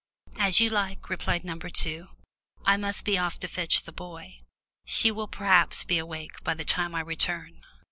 "As you like," replied number two. "I must be off to fetch the boy. She will perhaps be awake by the time I return."